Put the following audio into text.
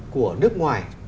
của nước ngoài